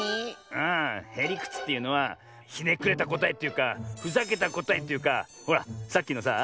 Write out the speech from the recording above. ああへりくつっていうのはひねくれたこたえというかふざけたこたえというかほらさっきのさあ